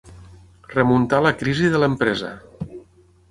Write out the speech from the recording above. Remuntar la crisi de l'empresa.